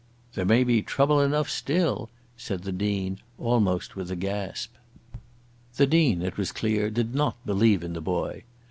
"There may be trouble enough still," said the Dean, almost with a gasp. The Dean, it was clear, did not believe in the boy.